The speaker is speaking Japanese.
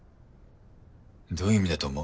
どういう意味だと思う？